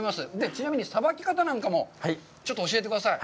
ちなみにさばき方なんかもちょっと教えてください。